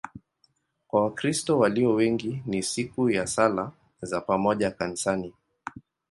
Kwa Wakristo walio wengi ni siku ya sala za pamoja kanisani.